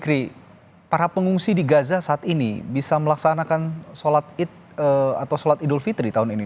jadi para pengungsi di gaza saat ini bisa melaksanakan sholat idul fitri tahun ini